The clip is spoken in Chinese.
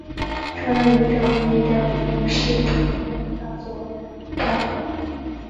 承认一个政府意味着隐式承认它所统治的国家。